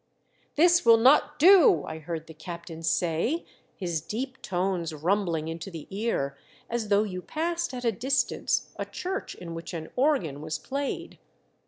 " This will not do !" I heard the captain say, his deep tones rumbling into the ear as though you passed at a distance a church in which an organ was played.